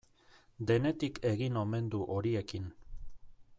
Denetik egin omen du horiekin.